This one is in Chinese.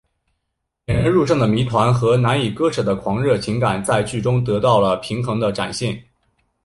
引人入胜的谜团和难以割舍的狂热情感在剧中得到了平衡的展现。